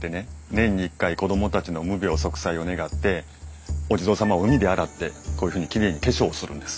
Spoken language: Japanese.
年に１回子供たちの無病息災を願ってお地蔵様を海で洗ってこういうふうにきれいに化粧をするんです。